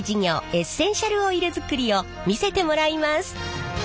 エッセンシャルオイル作りを見せてもらいます。